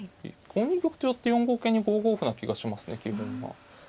５二玉と寄って４五桂に５五歩な気がしますね基本は。